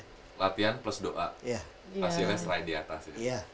hasilnya selain di atas ya